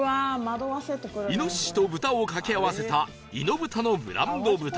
イノシシとブタを掛け合わせたイノブタのブランド豚